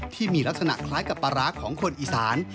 ที่มีลักษณะคล้ายกับปลาร้าของคนอีสาน